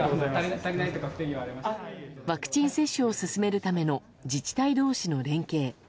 ワクチン接種を進めるための自治体同士の連携。